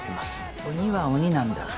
鬼は鬼なんだ。